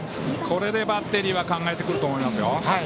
これでバッテリーは考えてくると思いますよ。